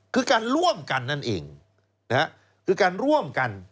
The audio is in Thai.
คือการร่วมกันนั่นเองคือการร่วมกัน